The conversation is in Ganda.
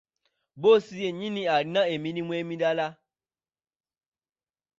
Bboosi yennyini alina emirimu emirala.